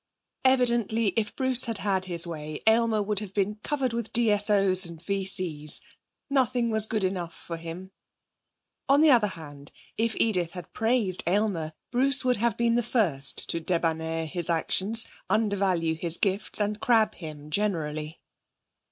Evidently if Bruce had had his way Aylmer would have been covered with DSO's and VC's; nothing was good enough for him. On the other hand, if Edith had praised Aylmer, Bruce would have been the first to debiner his actions, undervalue his gifts, and crab him generally.